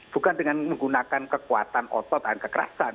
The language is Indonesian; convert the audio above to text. bukan dengan menggunakan kekuatan otot dan kekerasan